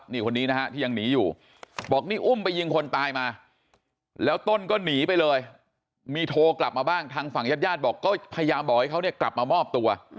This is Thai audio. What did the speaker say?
นี่คนนี้นะฮะที่ยังหนีอยู่บอกนี่อุ้มไปยิงคนตายมาแล้วต้นก็หนีไปเลยมีโทรกลับมาบ้างทางฝั่งญาติญาติบอกก็พยายามบอกให้เขาเนี่ยกลับมามอบตัว